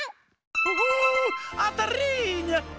おあたりニャ！